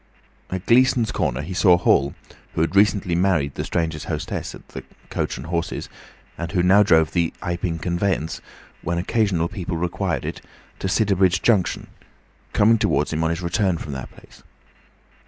At Gleeson's corner he saw Hall, who had recently married the stranger's hostess at the "Coach and Horses," and who now drove the Iping conveyance, when occasional people required it, to Sidderbridge Junction, coming towards him on his return from that place.